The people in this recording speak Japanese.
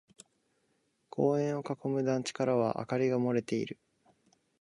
公園を囲む団地からは明かりが漏れている。